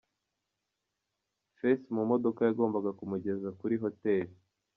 Face mu modoka yagombaga kumugeza kuri Hotel.